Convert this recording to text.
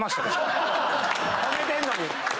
褒めてんのに。